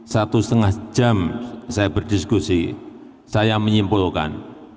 satu setengah jam saya berdiskusi saya menyimpulkan